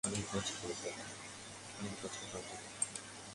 অনেক বছর পর দেখা!